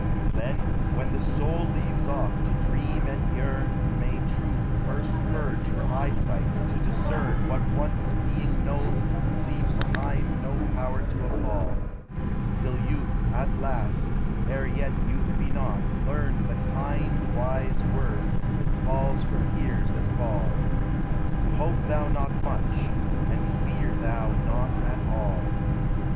Then, when the soul leaves olT to dream and yearn, May truth first purge her eyesight to discern What once being known leaves time no power to appall ; Till youth at last, ere yet youth be not, learn The kind wise word that falls from years that fall— " Hope thou not much, and fear thou not at all.''